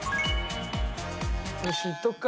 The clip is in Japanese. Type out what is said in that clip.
よしいっとくか。